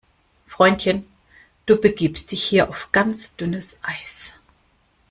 Freundchen, du begibst dich hier auf ganz dünnes Eis!